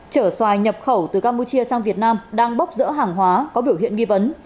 chở xoài nhập khẩu từ campuchia sang việt nam đang bóp dỡ hàng hóa có biểu hiện nghi vấn